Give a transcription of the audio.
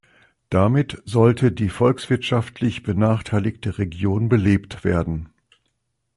Damit sollte die volkswirtschaftlich benachteiligte Region belebt werden.